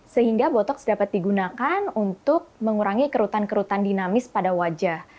sehingga botox dapat digunakan untuk mengurangi kerutan kerutan dinamis pada wajah